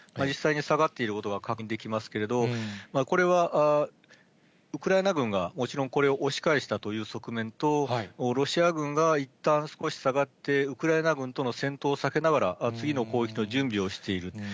実際に下がっていることが確認できますけれど、これはウクライナ軍がもちろん、これを押し返したという側面と、ロシア軍がいったん少し下がって、ウクライナ軍との戦闘を避けながら、次の攻撃の準備をしている。